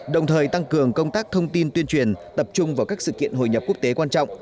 đồng thời tăng cường công tác thông tin tuyên truyền tập trung vào các sự kiện hồi nhập quốc tế quan trọng